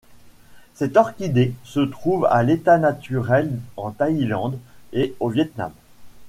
Cette orchidée se trouve à l'état naturel en Thaïlande et au Vietnam.